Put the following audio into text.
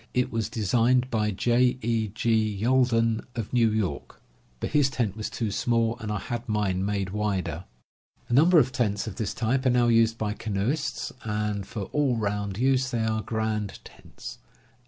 It was designed by J. E. G. Yalden of New York, but his tent was too small, and I had mine made wider. A 48 CAMPING AND WOODCRAFT number of tents of this type are now used by canoeists, and for all round use they are grand tents.